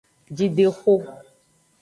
Jidexo.